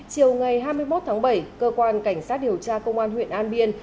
chiều ngày hai mươi một tháng bảy cơ quan cảnh sát điều tra công an huyện an biên